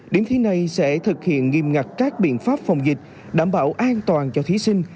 điểm thi này sẽ thực hiện nghiêm ngặt các biện pháp phòng dịch đảm bảo an toàn cho thí sinh